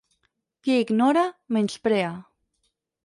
Qui ignora, menysprea.